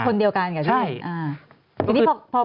คนเดียวกันกันใช่ไหม